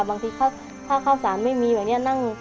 บางทีถ้าข้าวสารไม่มีแบบนี้นั่ง